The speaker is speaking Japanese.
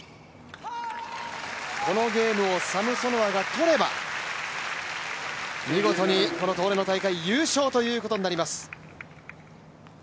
このゲームをサムソノワが取れば見事にこの東レの大会優勝ということになります。